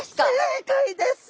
正解です！